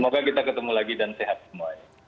semoga kita ketemu lagi dan sehat semuanya